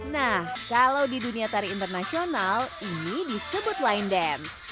nah kalau di dunia tari internasional ini disebut line dance